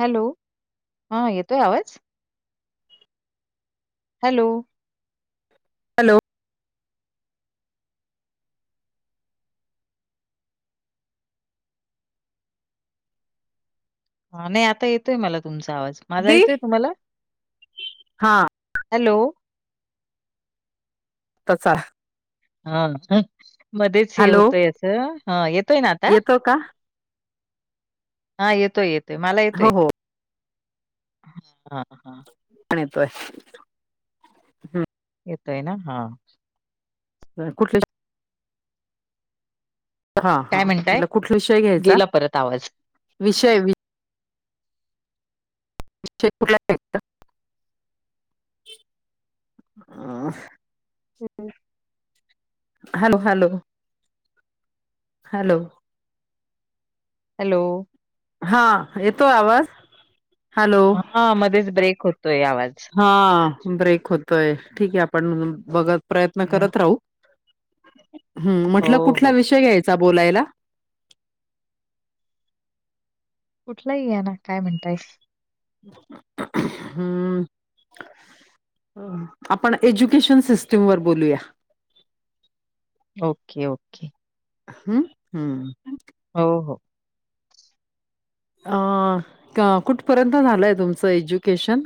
Hello! हा येतोय आवाज? हॅलो! हॅलो! हा नाही आता येतोय मला तुमचा आवाज, माझा अगदी येतोय तुम्हाला? [inaudible] हा हॅलो! [unintelligible] हाव का. मध्येच हे हॅलो होतय असं, हा येतोय ना आता? येतो का [inaudible] हा येतोय येतोय मला हो येतोय हो ह ह. [inaudible] पण येतोय. हम्म येतोय ना हा. ह कुठले. ह ह काय म्हणताय? म्हटल कुठला विषय घ्यायचा गेला परत आवाज. विषय. शेतपूला टेत [unintelligible] [unintelligible] [unintelligible] हॅलो हॅलो, हॅलो, हॅलो, हा, येतोय आवाज? हॅलो हा मध्येच ब्रेक होतोय आवाज. हां. ब्रेक होतोय. ठीक आहे आपण बघ प्रयत्न हं. करत राहू. हं. हो, म्हटलं कुठला हो. विषय घ्यायचा बोलायला? कुठलाही घ्या ना. काय म्हणताय? हं. अ आपण एज्युकेशन सिस्टीम वर बोलूया. Okay okay. हं? हं. हो हो. अ का कुठपर्यंत झालंय तुमचं एज्युकेशन?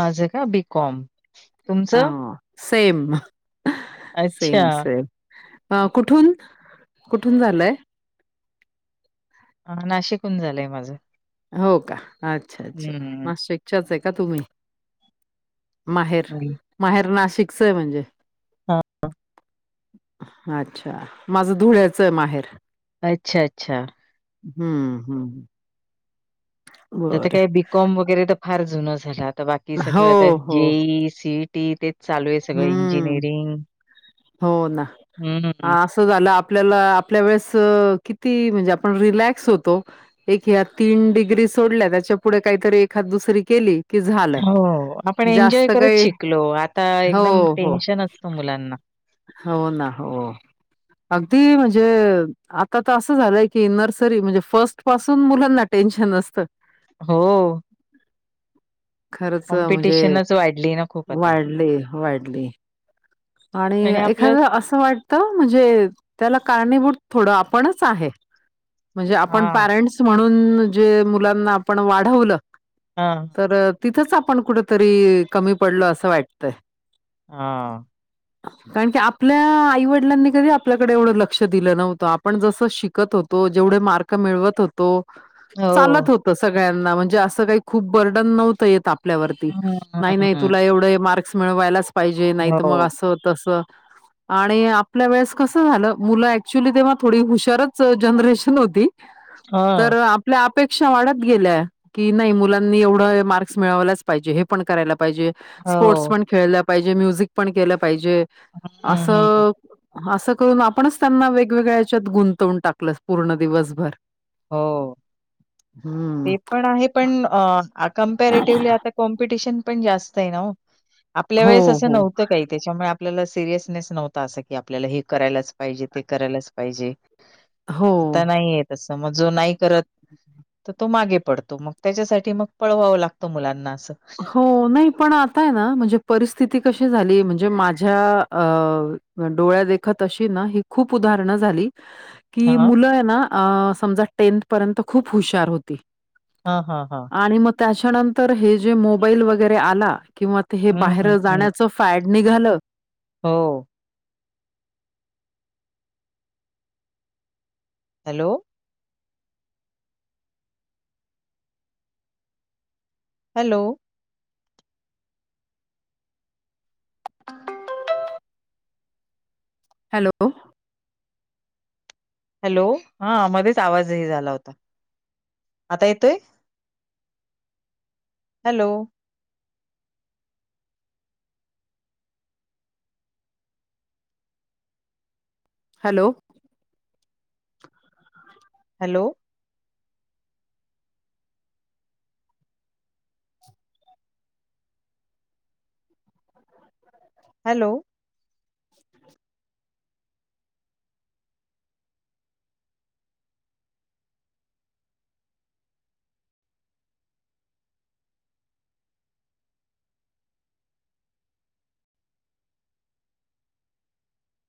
माझं का? बी कॉम. अ, तुमचं? सेम. अच्छा. Same same. अ हं. कुठून, कुठून झालंय? अ नाशिकहून झालंय माझं. हो का? अच्छा अच्छा! हं, नाशिकच्याच आहे का तुम्ही? माहेर, माहेर नाशिकच आहे म्हणजे? हं. अच्छा! माझं धुळ्याचं आहे माहेर. अच्छा अच्छा! हं हं. तर आता बरं. काय बीकॉम वगैरे तर फार जुनं झालं. आता बाकी सगळं आता हो, हो. जे ई, सी इ टी तेच चालू आहे सगळं. हं. इंजिनिअरिंग, हं. कस झाल, आपल्याला आपल्या वेळेस किती म्हणजे आपण रिलॅक्स होतो. एक ह्या तीन डिग्री सोडल्या, त्याच्या पुुढे काहीतरी एखाद दुसरी केली की झालं. हो. आपण एन्जॉय जास्त करत काही शिकलो. आता हो, एकदम हो. टेन्शन असत मुलांना. हो ना, हो. अगदी म्हणजे आता तर असं झालंय की नर्सरी म्हणजे फर्स्ट स्ट पासून मुलांना टेन्शन असतं. हो. खरंच म्हणजे कॉम्पिटिशनच वाढली ना खूप आता. वाढले, वाढली. आणि एखादं असं वाट त म्हणजे त्याला कारणीभूत थोड आपणच आहे. म्हणजे आपण हां, पॅरेंट्स म्हणून जे मुलांना आपण वाढवलं, हं, तर तिथंच आपण कुठेतरी कमी पडलो असं वाटतंय. हां. कारण की आपल्या आईवडिलांनी कधी आपल्याकडे एवढं लक्ष दिलं नव्हतं. आपण जसं शिकत हो तो, जेवढे मार्क मिळवत होतो हो. चालत होत सगळ्यांना. म्हणजे असं काही खूप बर्डन नव्हतं येत आप पल्यावरती. हं, हं, नाही नाही हं. तुला एवढे मार्क्स मिळवायलाच पाहिजे. नाहीत मग हो. असं तसं आणि आपल्या वेळेस कसं झालं मुलं ऍक्च्युली तेव्हा थोडी हुशारच जनरेशन होती. तर हां. आपल्या अपेक्षा वाढत गेल्या. की नाही मुलांनी एवढ मार्क्स मिळवलाच पाहिजे, हे पण करायला पाहिजे. स्पोर्ट्स हो. पण खेळल्या पाहिजे म्युझिक पण केलं पाहिजे हं, हं. असं असं करून आपणच त्यांना वेगवेगळ्या याच्यात गुंतवून टाकलं पूर्ण दिवसभर हो हम्म. ते पण आहे पण कम्पॅरेटिव्हली आता कॉम्पिटिशन पण जास्त आहे ना ओ आपल्या हो, वेळेस असं हो, नव्हतं का त्याच्यामुळे आपल्याला सिरियसनेस नव्हता असं की आपल्याला हे करायलाच पाहिजे ते करायलाच पाहिजे हो. आता नाहीये तस मग जो नाही करत हम् [unintelligible] तर तो मागे पडतो मग त्याच्यासाठी मग पळवावं लागतं मुलांना असं. हो नाही पण आता आहे ना म्हणजे परिस्थिती कशी झाली म्हणजे माझ्या अ माझ्या डोळ्यादेखत अशी ना ही खूप उदाहरणं झाली की हां, मुलं आहे ना अ समजा टेंथ पर्यंत खूप हुशार होती हा हा हा आणि मग त्याच्यानंतर हे जे मोबाईल वगैरे आला किंवा ते हे हं, हं, बाहेर हं. जाण्याचं फॅट निघालं हो हॅलो हॅलो हॅलो हॅलो हा मध्येच आवाज हे झाला होता आता येतोय हॅलो हॅलो हॅलो हॅलो [unintelligible] [inaudible]